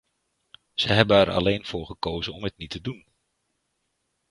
Ze hebben er alleen voor gekozen om het niet te doen.